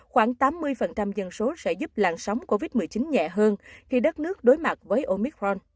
khoảng tám mươi dân số sẽ giúp làn sóng covid một mươi chín nhẹ hơn khi đất nước đối mặt với omicron